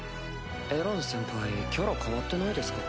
エラン先輩キャラ変わってないですか？